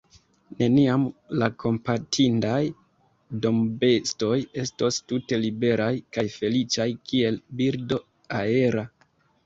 Neniam la kompatindaj dombestoj estos tute liberaj kaj feliĉaj kiel birdo aera.